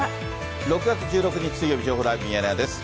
６月１６日水曜日、情報ライブミヤネ屋です。